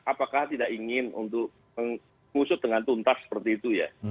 apakah tidak ingin untuk mengusut dengan tuntas seperti itu ya